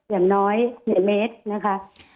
อย่างน้อย๑เมตรนะคะ